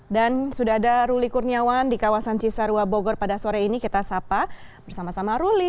dan sudah ada ruli kurniawan di kawasan cisarua bogor pada sore ini kita sapa bersama sama ruli